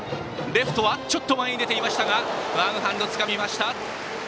レフトはちょっと前に出ていましたがワンハンド、つかみました！